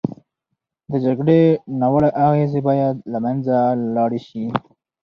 د جګړې ناوړه اغېزې باید له منځه لاړې شي.